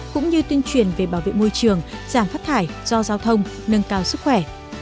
cũng như tuyên truyền về bảo vệ môi trường giảm phát thải do giao thông nâng cao sức khỏe